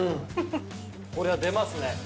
◆これは出ますね。